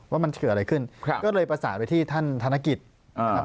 ว่ามันเกิดอะไรขึ้นก็เลยประสานไปที่ท่านธนกิจนะครับ